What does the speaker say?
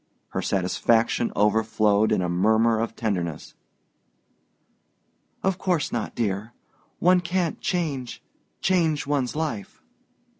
Her satisfaction overflowed in a murmur of tenderness. "Of course not, dear. One can't change change one's life...."